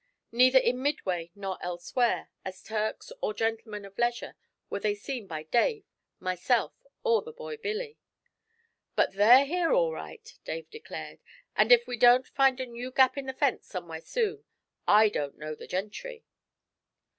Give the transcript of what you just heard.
Neither in Midway nor elsewhere, as Turks or gentlemen of leisure, were they seen by Dave, myself, or the boy Billy. 'But they're here all right!' Dave declared, 'and if we don't find a new gap in the fence somewhere soon, I don't know the gentry!'